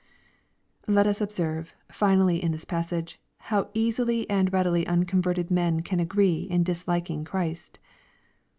Let us observe, finally, in this passage, how easily ajid readily unconverted men can agree in disliking Christ.